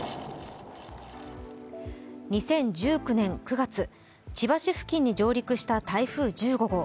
２０１９年９月、千葉市付近に上陸した台風１５号。